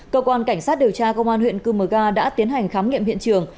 cơ quan cảnh sát điều tra công an huyện cư mờ ga đã tiến hành khám nghiệm hiện trường